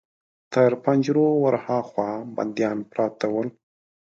تر پنجرو ور هاخوا بنديان پراته ول.